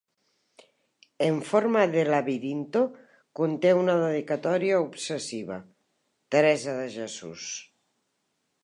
"En forma de labirinto" conté una dedicatòria obsessiva: "Teresa de Jesús".